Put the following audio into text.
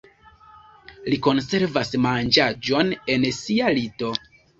Li konservas manĝaĵon en sia lito.